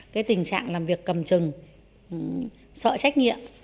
cái tình trạng làm việc cầm chừng sợ trách nhiệm